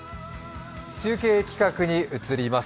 中継企画に移ります。